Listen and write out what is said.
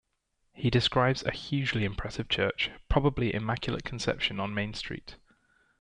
He describes a hugely impressive church, probably Immaculate Conception on Main Street.